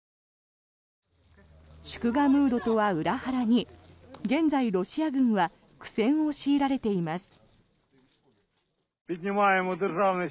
祝賀ムードとは裏腹に現在、ロシア軍は苦戦を強いられています。